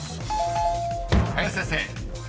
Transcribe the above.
［林先生］